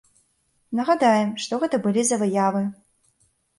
Нагадаем, што гэта былі за выявы.